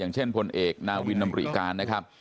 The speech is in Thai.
อย่างเช่นพลเอกนาวินำริการ